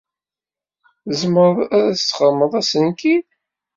Tzemreḍ ad as-d-txedmeḍ asenkid?